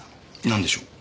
何でしょう？